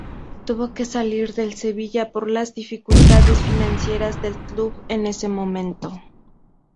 Tuvo que salir del Sevilla por las dificultades financieras del club en ese momento.